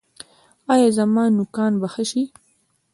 ایا زما نوکان به ښه شي؟